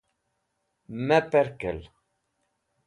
Me pẽrkel.